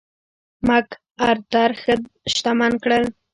مک ارتر ښه شتمن کړل.